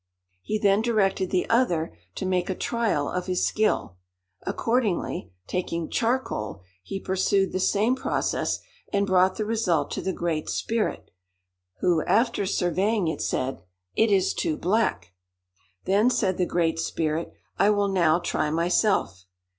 _' "He then directed the other to make a trial of his skill. Accordingly, taking charcoal, he pursued the same process, and brought the result to the Great Spirit; who, after surveying it, said, 'It is too black!' "Then said the Great Spirit, 'I will now try myself.